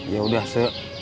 ya udah icek